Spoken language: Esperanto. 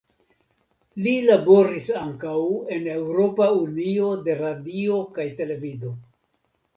Li laboris ankaŭ en Eŭropa Unio de Radio kaj Televido.